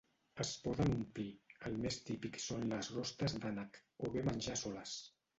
Es poden omplir, el més típic són les rostes d'ànec, o bé menjar soles.